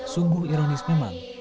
sungguh ironis memang